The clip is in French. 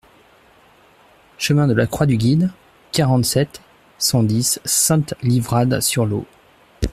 Chemin de le Croix du Guide, quarante-sept, cent dix Sainte-Livrade-sur-Lot